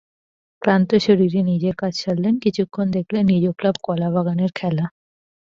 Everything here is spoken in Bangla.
ক্লান্ত শরীরে নিজের কাজ সারলেন, কিছুক্ষণ দেখলেন নিজ ক্লাব কলাবাগানের খেলা।